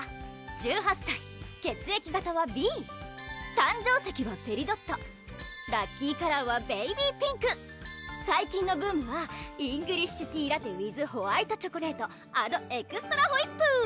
１８歳血液型はＢ誕生石はペリドットラッキーカラーはベイビーピンク最近のブームはイングリッシュティーラテ・ウィズ・ホワイトチョコレート・アド・エクストラホイップ！